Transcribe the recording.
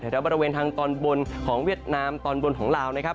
แถวบริเวณทางตอนบนของเวียดนามตอนบนของลาวนะครับ